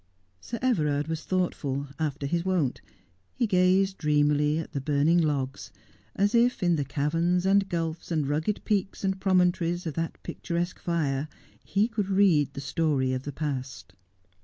Sir Everard was thoughtful, after his wont ; he gazed dreamily at the burn ing logs, as if in the caverns and gulfs and rugged peaks and promontories of that picturesque fire he could read the story of the past.